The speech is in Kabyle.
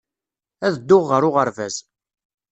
Ad dduɣ ɣer uɣerbaz.